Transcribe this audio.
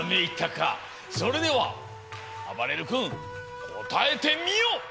それではあばれる君こたえてみよ！